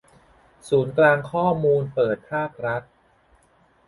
ศูนย์กลางข้อมูลเปิดภาครัฐ